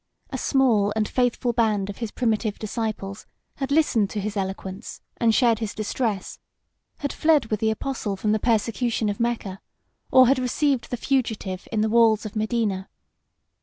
A small and faithful band of his primitive disciples had listened to his eloquence, and shared his distress; had fled with the apostle from the persecution of Mecca, or had received the fugitive in the walls of Medina.